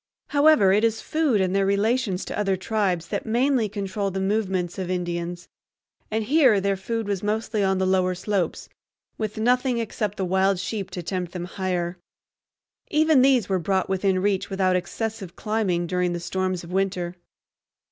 However, it is food and their relations to other tribes that mainly control the movements of Indians; and here their food was mostly on the lower slopes, with nothing except the wild sheep to tempt them higher. Even these were brought within reach without excessive climbing during the storms of winter.